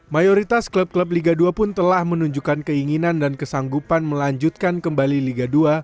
mayoritas klub klub liga dua pun telah menunjukkan keinginan dan kesanggupan melanjutkan kembali liga dua